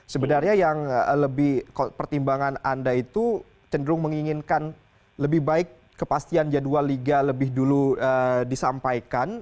sebenarnya yang lebih pertimbangan anda itu cenderung menginginkan lebih baik kepastian jadwal liga lebih dulu disampaikan